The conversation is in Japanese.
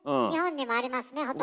日本にもありますね。